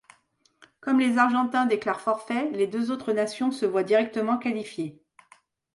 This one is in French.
Comme les Argentins déclarent forfaits, les deux autres nations se voient directement qualifiées.